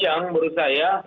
yang menurut saya